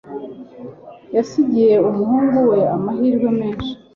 yasigiye umuhungu we amahirwe menshi